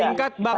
ya singkat mbak